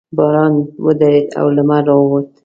باران ودرېد او لمر راووت.